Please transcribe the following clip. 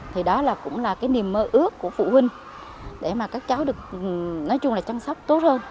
thì đó cũng là niềm mơ ước của phụ huynh để các cháu được chăm sóc tốt hơn